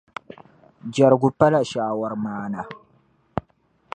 Jɛrigu pala shaawari maana.